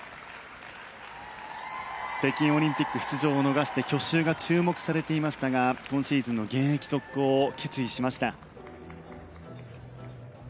北京オリンピック出場を逃して去就が注目されていましたが今シーズンの現役続行を決意しました。